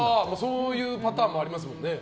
そういうパターンもありますもんね。